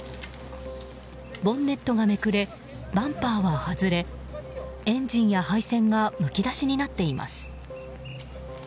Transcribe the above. ボンネットがめくれバンパーは外れエンジンや配線がむき出しになっています。